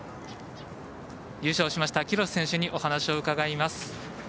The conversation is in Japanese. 優勝しました、キロス選手にお話を伺います。